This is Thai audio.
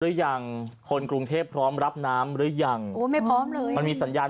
หรือยังคนกรุงเทพพร้อมรับน้ำหรือยังโอ้ไม่พร้อมเลยมันมีสัญญาณ